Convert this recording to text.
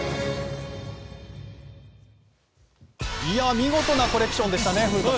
見事なコレクションでしたね。